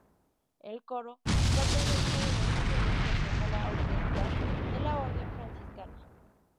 El coro, plateresco de dos niveles, refleja la austeridad de la orden franciscana.